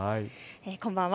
こんばんは。